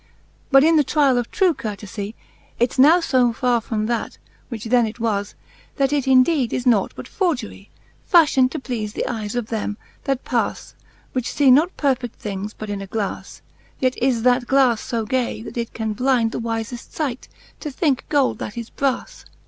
But in the triall of true courtefie, Its now fb farre from that, which then it was, That it indeed is nought but forgerie, Fafhion'd to pleafe the eies of them, that pas, Which lee not perfed: things but in a glas \ Yet is that glas io gay, that it can blynd The wiieft fight, to thinke gold that is bras.